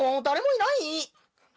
誰もいない！